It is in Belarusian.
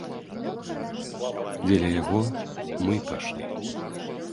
Дзеля яго мы і пайшлі.